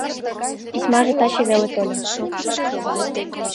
— Письмаже таче веле тольо.